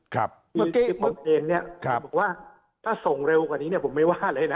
ของเงินเนี่ยจะบอกว่าถ้าส่งเร็วกว่านี้นี่ผมไม่ว่าเลยนะ